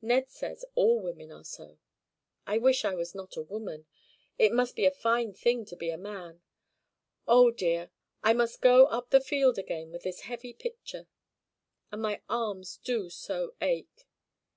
Ned says all women are so. I wish I was not a woman. It must be a fine thing to be a man. Oh dear! I must go up the field again with this heavy pitcher, and my arms do so ache!"